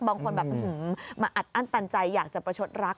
บางคนแบบมาอัดอั้นตันใจอยากจะประชดรัก